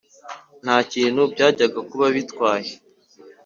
ntakintu byajyaga kuba bitwaye"